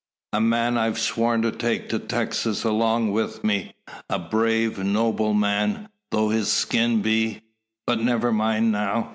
"A man I've sworn to take to Texas along with me. A brave, noble man, though his skin be . But never mind now.